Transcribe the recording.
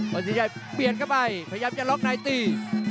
สินชัยเปลี่ยนเข้าไปพยายามจะล็อกในตี